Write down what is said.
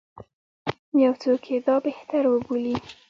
یو څوک یې دا بهتر وبولي.